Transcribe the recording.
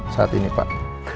saat ini pak